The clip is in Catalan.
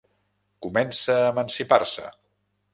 Comença a emancipar-se.